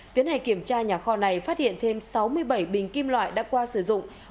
tiến hành kiểm tra nhà kho này phát hiện thêm sáu mươi bảy bình kim loại đã qua sử dụng